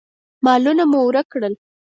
مالونه مو ورک کړل.